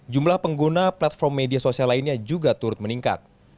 jumlah pengguna platform media sosial lainnya juga turut meningkat